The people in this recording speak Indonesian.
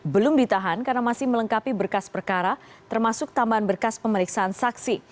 belum ditahan karena masih melengkapi berkas perkara termasuk tambahan berkas pemeriksaan saksi